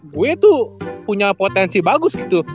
gue tuh punya potensi bagus gitu